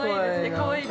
かわいい。